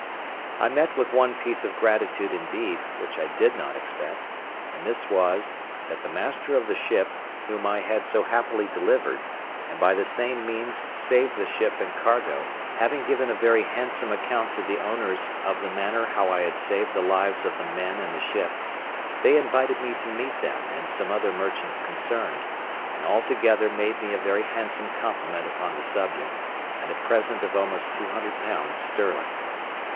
I met with one piece of gratitude indeed, which I did not expect; and this was, that the master of the ship, whom I had so happily delivered, and by the same means saved the ship and cargo, having given a very handsome account to the owners of the manner how I had saved the lives of the men and the ship, they invited me to meet them and some other merchants concerned, and all together made me a very handsome compliment upon the subject, and a present of almost £200 sterling.